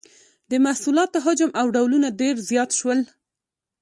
د محصولاتو حجم او ډولونه ډیر زیات شول.